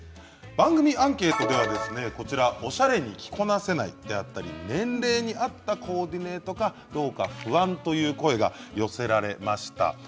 番組アンケートではおしゃれに着こなせないであったり年齢に合ったコーディネートかどうか不安という声が寄せられました。